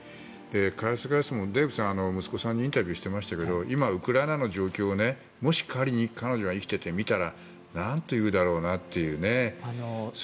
返す返すもデーブさん息子さんにインタビューしていましたけど今のウクライナを見たらもし仮に彼女が生きていて見たら何て言うだろうなと。